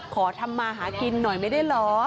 ขอทำมาหากินหน่อยไม่ได้เหรอ